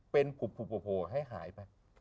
เป็นผุบโผล่ให้หายไป